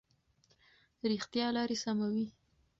رښتیا لارې سموي.